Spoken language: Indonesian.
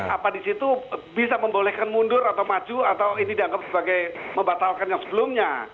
apa di situ bisa membolehkan mundur atau maju atau ini dianggap sebagai membatalkan yang sebelumnya